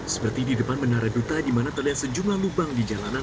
seperti di depan menara duta di mana terlihat sejumlah lubang di jalanan